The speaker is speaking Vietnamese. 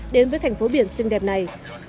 đến với thành phố biển xinh đẹp này